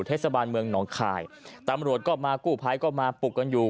เทศบาลเมืองหนองคายตำรวจก็มากู้ภัยก็มาปลุกกันอยู่